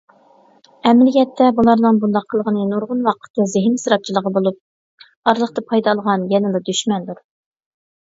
ئەمەلىيەتتە بۇلارنىڭ بۇنداق قىلغىنى نۇرغۇن ۋاقىت ۋە زېھىن ئىسراپچىلىقى بولۇپ، ئارىلىقتا پايدا ئالغان يەنىلا دۈشمەندۇر.